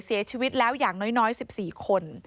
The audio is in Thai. เสียชีวิตแล้วอย่างน้อย๑๔คน